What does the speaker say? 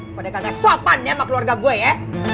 kau udah kaget sopan ya sama keluarga gue ya